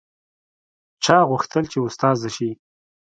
چا غوښتل چې استاده شي